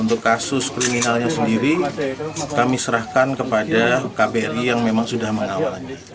untuk kasus kriminalnya sendiri kami serahkan kepada kbri yang memang sudah mengawalnya